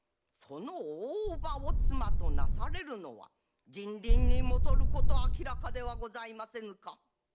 その大叔母を妻となされるのは人倫にもとること明らかではございませぬか。